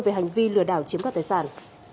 về hành vi lừa đảo chiếm các tài sản